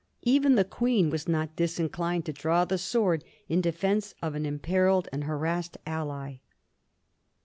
Even the Queen was not disinclined to draw the sword in defence of an imperilled and harassed ally.